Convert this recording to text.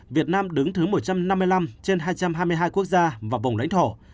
việt nam đứng thứ một trăm năm mươi năm trên hai trăm hai mươi hai quốc gia và vùng lãnh thổ